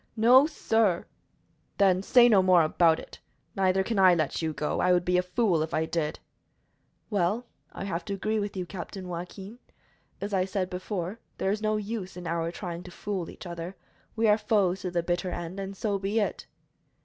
"No, sir!" "Then say no more about it. Neither can I let you go. I would be a fool if I did." "Well, I have to agree with you, Captain Joaquin. As I said before, there is no use in our trying to fool each other. We are foes to the bitter end, and so be it."